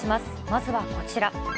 まずはこちら。